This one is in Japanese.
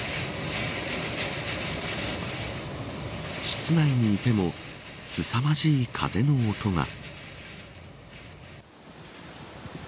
室内にいてもすさまじい風の音が。